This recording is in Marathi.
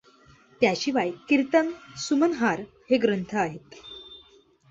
त्यशिवाय कीर्तन सुमनहार हे ग्रंथ आहेत.